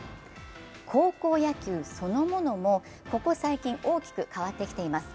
高校野球そのものも、ここ最近大きく変わってきています。